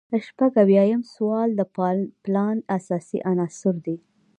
شپږ اویایم سوال د پلان اساسي عناصر دي.